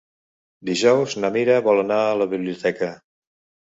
Dijous na Mira vol anar a la biblioteca.